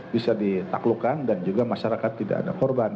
bisa ditaklukkan dan juga masyarakat tidak ada korban